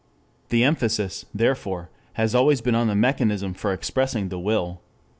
The emphasis, therefore, has always been on the mechanism for expressing the will.